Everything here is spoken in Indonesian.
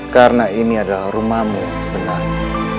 karena ini adalah rumahmu yang sebenarnya